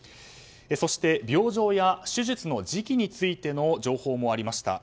そして、病状や手術の時期についての情報もありました。